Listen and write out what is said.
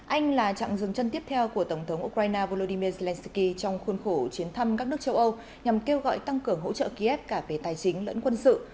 anh là chặng dừng chân tiếp theo của tổng thống ukraine volodymyr zelenskyy trong khuôn khổ chuyến thăm các nước châu âu nhằm kêu gọi tăng cường hỗ trợ kiev cả về tài chính lẫn quân sự